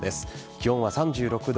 気温は３６度。